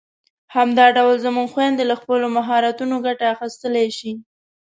همدا ډول زموږ خويندې له خپلو مهارتونو ګټه اخیستلای شي.